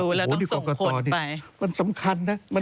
โหะที่กรกฎตอนี่มันสำคัญนะ